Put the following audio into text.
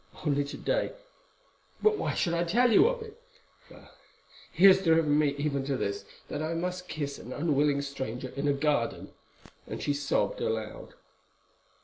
Only to day—but why should I tell you of it? Well, he has driven me even to this, that I must kiss an unwilling stranger in a garden," and she sobbed aloud.